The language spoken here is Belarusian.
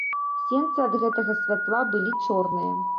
Сенцы ад гэтага святла былі чорныя.